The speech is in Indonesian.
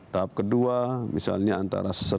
tahap kedua misalnya antara